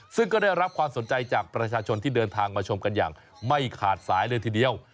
ซึ่งก็ได้รับความสนใจจากประชาชนที่เดินทางมาชมกันอย่างไม่ขาดสายเลยทีเดียว